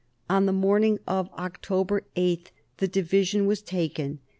On the morning of October 8 the division was taken.